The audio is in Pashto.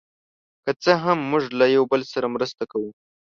که څه هم، موږ له یو بل سره مرسته کوو.